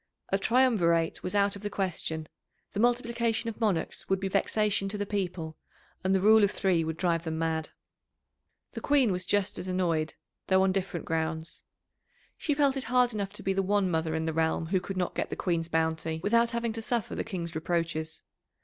A triumvirate was out of the question; the multiplication of monarchs would be vexation to the people, and the rule of three would drive them mad. The Queen was just as annoyed, though on different grounds. She felt it hard enough to be the one mother in the realm who could not get the Queen's bounty, without having to suffer the King's reproaches.